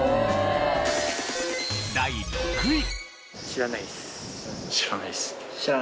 第６位。